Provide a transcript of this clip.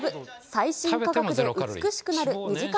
最新科学で美しくなる２時間